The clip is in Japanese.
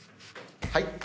はい。